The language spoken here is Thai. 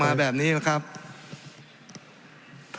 ทั้งสองกรณีผลเอกประยุทธ์